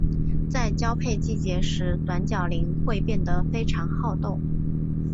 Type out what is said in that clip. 在交配季节时短角羚会变得非常好斗。